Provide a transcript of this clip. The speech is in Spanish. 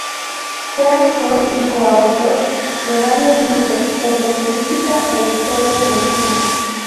Fue autor y coautor de varios libros sobre crítica e historia del cine.